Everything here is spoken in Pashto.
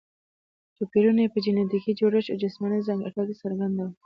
توپیرونه یې په جینټیکي جوړښت او جسماني ځانګړتیاوو کې څرګند وو.